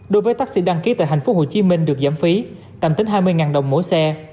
đối với tác sĩ đăng ký tại tp hcm được giảm phí tạm tính hai mươi đồng mỗi xe